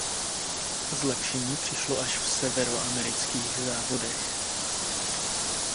Zlepšení přišlo až v severoamerických závodech.